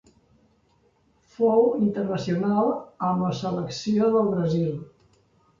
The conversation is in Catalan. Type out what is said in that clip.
Fou internacional amb la selecció del Brasil.